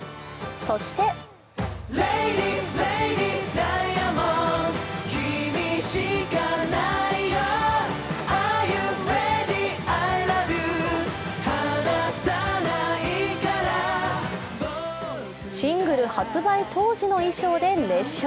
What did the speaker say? そしてシングル発売当時の衣装で熱唱。